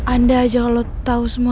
anda ajak lu tau semuanya